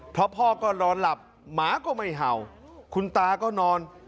เพราะพ่อก็นอนหลับหมาก็ไม่เห่าคุณตาก็นอน